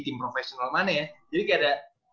tim profesional mana ya jadi kayak ada